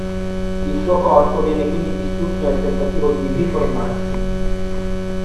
Il suo corpo viene quindi distrutto nel tentativo di riformarsi.